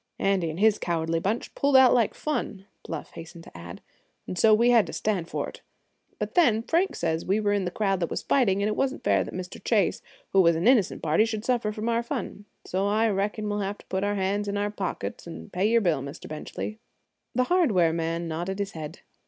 "Andy and his cowardly bunch pulled out like fun," Bluff hastened to add; "and so we had to stand for it. But then Frank says we were in the crowd that was fighting, and it wasn't fair that Mr. Chase, who was an innocent party, should suffer from our fun. So I reckon we'll have to put our hands in our pockets and pay your bill, Mr. Benchley." The hardware man nodded his head.